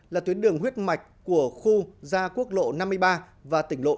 là tuyến đường huyết mạch của khu gia quốc lộ năm mươi ba và tỉnh lộ chín trăm một mươi bốn